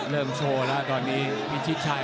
เริ่มโฉล่น่ะตอนนี้พี่ชิชัย